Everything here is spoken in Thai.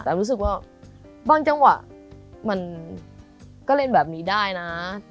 แต่รู้สึกว่าบางจังหวะมันก็เล่นแบบนี้ได้นะ